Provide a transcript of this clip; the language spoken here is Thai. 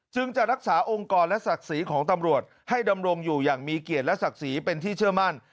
จะรักษาองค์กรและศักดิ์ศรีของตำรวจให้ดำรงอยู่อย่างมีเกียรติและศักดิ์ศรีเป็นที่เชื่อมั่น